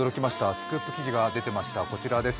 スクープ記事が出ていました、こちらです。